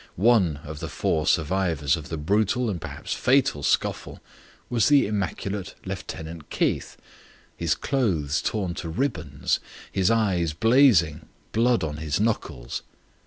One of the four survivors of the brutal and perhaps fatal scuffle was the immaculate Lieutenant Keith, his clothes torn to ribbons, his eyes blazing, blood on his knuckles.